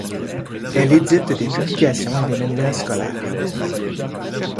Elle édite des publications et des manuels scolaires.